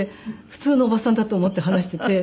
普通のおばさんだと思って話していて。